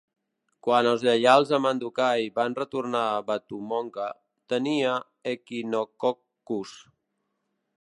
Quan els lleials a Mandukhai van retornar Batumongke, tenia "Echinococcus".